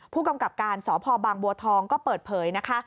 ผู้กำกับการสพบางบัวทองก็เปิดเผยนะคะ